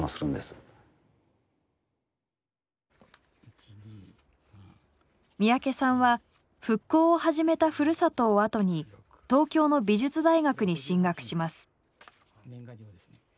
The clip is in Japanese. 時々三宅さんは復興を始めたふるさとを後に東京の美術大学に進学します。